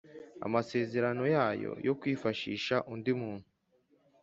Amasezerano yayo yo kwifashisha undi muntu